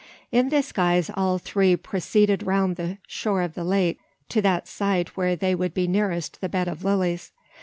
In this guise all three proceeded round the shore of the lake, to that side where they would be nearest the bed of lilies.